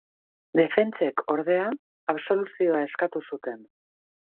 Defentsek, ordea, absoluzioa eskatu zuten.